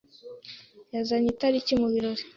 yazanye itariki mubirori.